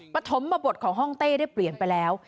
ปฐมบทของห้องเต้ได้เปลี่ยนไปแล้ว